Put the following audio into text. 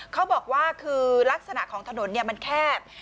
เขาบอกว่าคือลักษณะของถนนมันแคบ